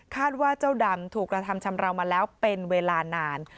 ว่าเจ้าดำถูกกระทำชำราวมาแล้วเป็นเวลานาน